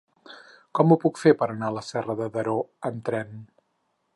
Com ho puc fer per anar a Serra de Daró amb tren?